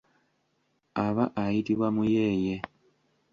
Aba ayitibwa muyeeye.